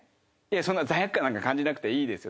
そんな罪悪感なんか感じなくていいですよ。